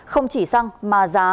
không chỉ xăng mà giá